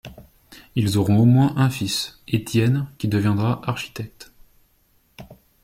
Ils auront au moins un fils, Étienne, qui deviendra architecte.